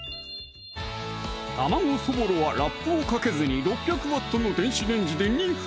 卵そぼろはラップをかけずに６００Ｗの電子レンジで２分！